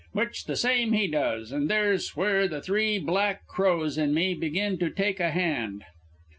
Which the same he does, and there's where the Three Black Crows an' me begin to take a hand.